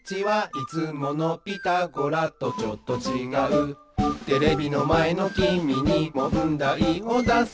「いつものピタゴラとちょっとちがう」「テレビのまえのきみにもんだいをだすぞ」